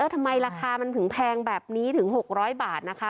ราคามันถึงแพงแบบนี้ถึง๖๐๐บาทนะคะ